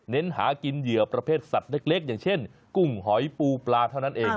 หากินเหยื่อประเภทสัตว์เล็กอย่างเช่นกุ้งหอยปูปลาเท่านั้นเอง